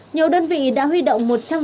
nhiều đơn vị đã huy động